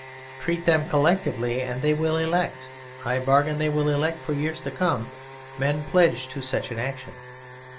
Treat them collectively, and they will elect I bargain they will elect for years to come men pledged to such an action.